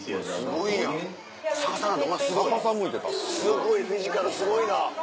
すごいすごいフィジカルすごいな。